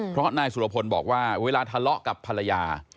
เพราะนายสุรพลบอกว่าเวลาทะเลาะกับภรรยา